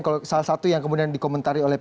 kalau salah satu yang kemudian dikomentari oleh